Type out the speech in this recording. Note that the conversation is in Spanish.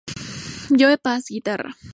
Joe Pass: guitarra.